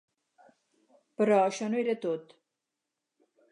Però això no era tot.